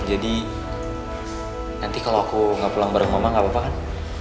jadi nanti kalau aku gak pulang bareng mama gak apa apa kan